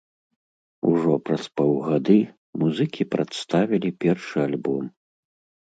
Ужо праз паўгады музыкі прадставілі першы альбом.